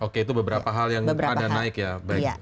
oke itu beberapa hal yang ada naik ya